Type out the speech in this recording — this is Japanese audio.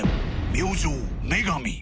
明星麺神。